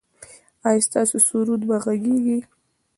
ایا ستاسو سرود به غږیږي؟